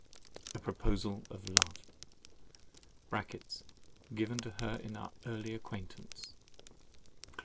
A PROPOSAL OF LOVE (Given to her in our early acquaintance) "Oh!